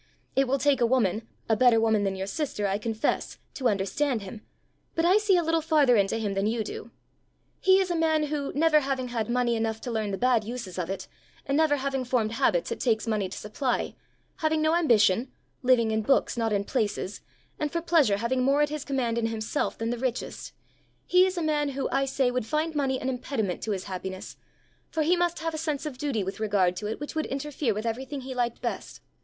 It will take a woman, a better woman than your sister, I confess, to understand him; but I see a little farther into him than you do. He is a man who, never having had money enough to learn the bad uses of it, and never having formed habits it takes money to supply, having no ambition, living in books not in places, and for pleasure having more at his command in himself than the richest he is a man who, I say, would find money an impediment to his happiness, for he must have a sense of duty with regard to it which would interfere with everything he liked best.